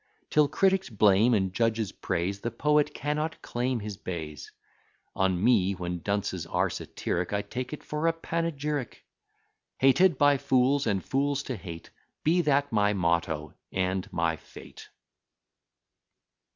Till critics blame, and judges praise, The poet cannot claim his bays. On me when dunces are satiric, I take it for a panegyric. Hated by fools, and fools to hate, Be that my motto, and my fate.